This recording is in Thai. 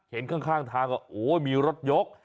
เห็นข้างทางก็โอ้มีรถยก